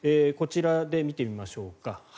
こちらで見てみましょうか。